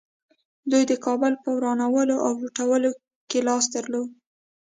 دوی د کابل په ورانولو او لوټولو کې لاس درلود